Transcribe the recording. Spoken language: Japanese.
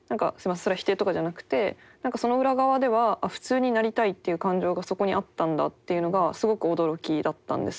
それは否定とかじゃなくてその裏側では普通になりたいっていう感情がそこにあったんだっていうのがすごく驚きだったんです。